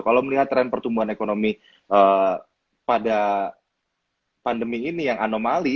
kalau melihat tren pertumbuhan ekonomi pada pandemi ini yang anomali